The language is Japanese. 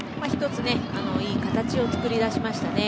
１ついい形を作り出しましたね。